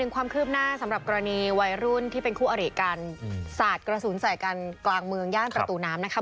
ความคืบหน้าสำหรับกรณีวัยรุ่นที่เป็นคู่อริกันสาดกระสุนใส่กันกลางเมืองย่านประตูน้ำนะคะ